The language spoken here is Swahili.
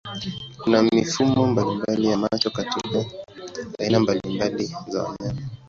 Kuna mifumo mbalimbali ya macho kati ya aina mbalimbali za wanyama.